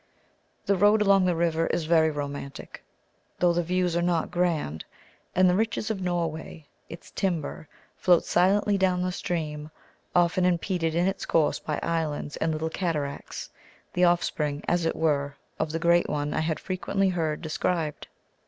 The road along the river is very romantic, though the views are not grand; and the riches of Norway, its timber, floats silently down the stream, often impeded in its course by islands and little cataracts, the offspring, as it were, of the great one I had frequently heard described.